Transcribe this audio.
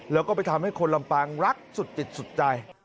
แล้วก็ไปทำให้คนลำปางรักสุดจิตสุดใจ